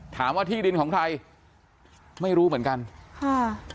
ที่ดินของใครไม่รู้เหมือนกันค่ะ